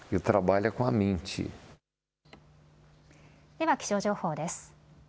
では気象情報です。